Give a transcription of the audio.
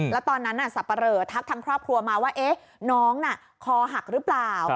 แล้วตอนนั้นสับปะเหลอทักทางครอบครัวมาว่าน้องน่ะคอหักหรือเปล่า